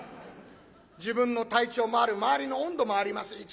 自分の体調もある周りの温度もあります。